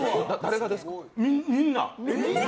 みんな。